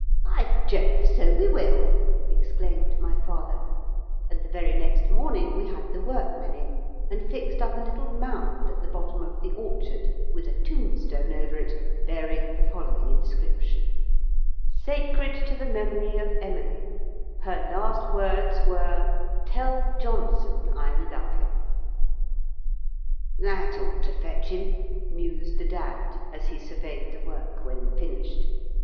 "By Jove, so we will," exclaimed my father; and the very next morning we had the workmen in, and fixed up a little mound at the bottom of the orchard with a tombstone over it, bearing the following inscription: SACRED TO THE MEMORY OF EMILY HER LAST WORDS WERE "TELL JOHNSON I LOVE HIM" "That ought to fetch him," mused the Dad as he surveyed the work when finished.